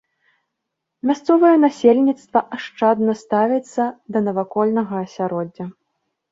Мясцовае насельніцтва ашчадна ставіцца да навакольнага асяроддзя.